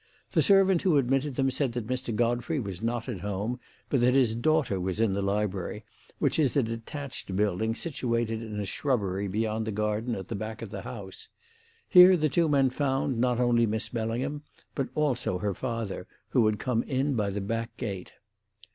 The servant who admitted them said that Mr. Godfrey was not at home, but that his daughter was in the library, which is a detached building situated in a shrubbery beyond the garden at the back of the house. Here the two men found, not only Miss Bellingham, but also her father, who had come in by the back gate.